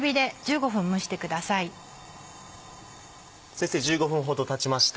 先生１５分ほどたちました。